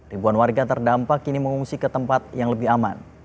ribuan warga terdampak kini mengungsi ke tempat yang lebih aman